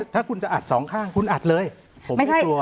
ถ้าคุณจะอัดสองข้างคุณอัดเลยผมไม่กลัว